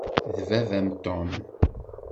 D baba-m Tom.